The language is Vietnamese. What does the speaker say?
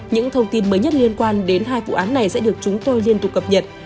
những thông tin mới nhất liên quan đến hai vụ án này sẽ được chúng tôi liên tục cập nhật